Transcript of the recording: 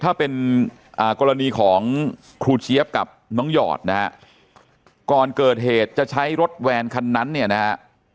ถ้าเป็นกรณีของครูเจี๊ยบกับน้องหยอดนะฮะก่อนเกิดเหตุจะใช้รถแวนคันนั้นเนี่ยนะฮะ